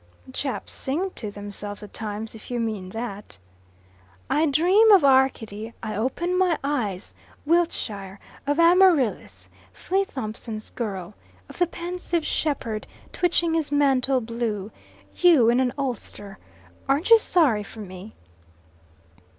"Chaps sing to themselves at times, if you mean that." "I dream of Arcady. I open my eyes. Wiltshire. Of Amaryllis: Flea Thompson's girl. Of the pensive shepherd, twitching his mantle blue: you in an ulster. Aren't you sorry for me?"